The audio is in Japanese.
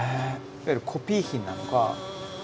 いわゆるコピー品なのか。